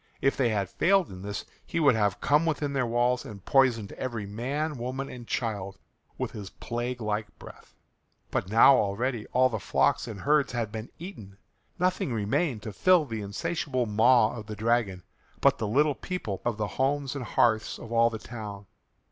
If they had failed in this he would have come within their walls and poisoned every man, woman, and child with his plague like breath. But now already all the flocks and herds had been eaten. Nothing remained to fill the insatiable maw of the dragon but the little people of the homes and hearths of all the town.